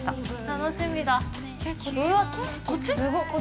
◆楽しみだ。